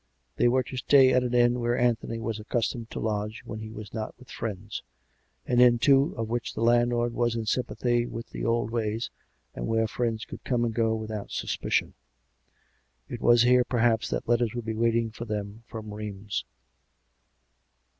They were to stay at an inn where Anthony was accus tomed to lodge when he was not with friends — an inn, too, of which the landlord was in sympathy with the old ways, and where friends could come and go without suspi cion. It was here, perhaps, that letters would be waiting for them from Rheims.